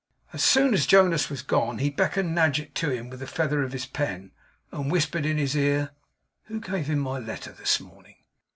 As soon as Jonas was gone he beckoned Nadgett to him with the feather of his pen, and whispered in his ear. 'Who gave him my letter this morning?